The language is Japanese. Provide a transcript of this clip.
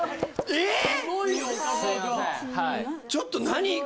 えっ？